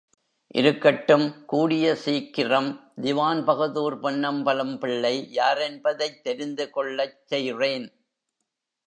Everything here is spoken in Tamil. இருக்கட்டும் கூடிய சீக்கிரம் திவான்பகதூர் பொன்னம்பலம் பிள்ளை யாரென்பதைத் தெரிந்துகொள்ளச் செய்றேன்.